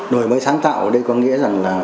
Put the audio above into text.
đổi mới sáng tạo đây có nghĩa là